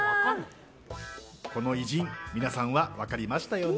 この偉人、皆さんは分かりましたよね？